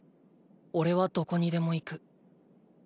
おれはどこにでも行く。